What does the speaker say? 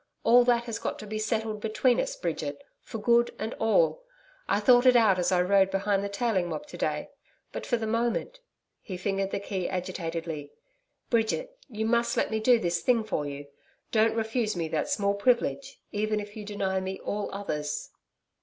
All that has got to be settled between us, Bridget for good and all. I thought it out as I rode behind the tailing mob to day. But for the moment,' he fingered the key agitatedly, 'Bridget, you MUST let me do this thing for you. Don't refuse me that small privilege, even if you deny me all others.'